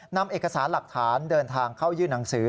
นำเอกสารหลักฐานเดินทางเข้ายื่นหนังสือ